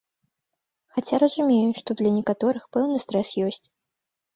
Хаця разумею, што для некаторых пэўны стрэс ёсць.